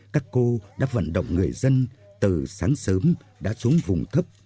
các cô đã vận động người dân từ sáng sớm đã xuống vùng thấp